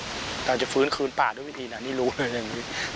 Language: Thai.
เราจะฟื้นคืนป่าด้วยวิธีไหนไม่รู้เลยอย่างนี้